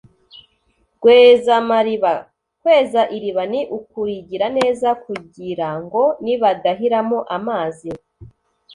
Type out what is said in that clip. Rwezamariba: kweza iriba ni ukurigira neza kugira ngo nibadahiramo amazi